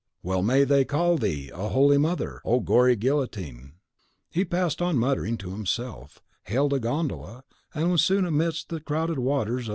Well may they call thee 'A Holy Mother!' O gory guillotine!" He passed on muttering to himself, hailed a gondola, and was soon amidst the crowded waters of the Grand Canal.